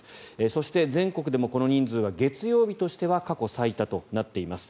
そして全国でもこの人数は月曜日としては過去最多となっています。